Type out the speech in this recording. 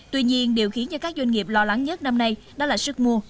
tuy nhiên điều khiến cho các doanh nghiệp lo lắng nhất năm nay đó là sức mua